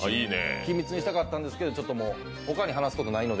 秘密にしたかったんですけど他に話すことないので。